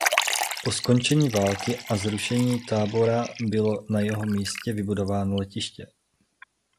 Po skončení války a po zrušení tábora bylo na jeho místě vybudováno letiště.